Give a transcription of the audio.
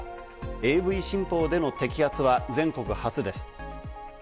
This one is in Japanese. ＡＶ新法での摘発は全国初です。